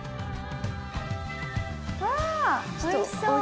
わぁおいしそう。